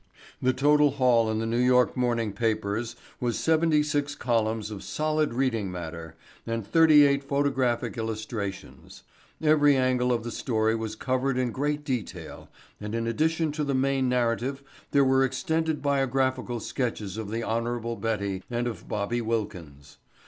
The total haul in the New York morning papers was seventy six columns of solid reading matter and thirty eight photographic illustrations. Every angle of the story was covered in great detail and in addition to the main narrative there were extended biographical sketches of the Hon. Betty and of Bobby Wilkins.